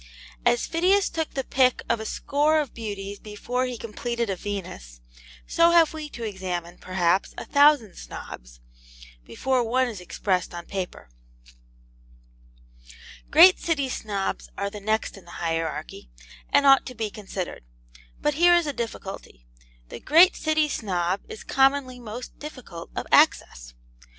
As Phidias took the pick of a score of beauties before he completed a Venus, so have we to examine, perhaps, a thousand Snobs, before one is expressed upon paper. Great City Snobs are the next in the hierarchy, and ought to be considered. But here is a difficulty. The great City Snob is commonly most difficult of access.